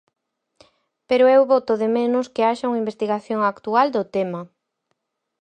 Pero eu boto de menos que haxa unha investigación actual do tema.